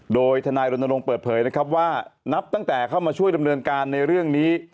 โดยทนายรณรงค์เปิดเผยนะครับว่านับตั้งแต่เข้ามาช่วยดำเนินการในเรื่องนี้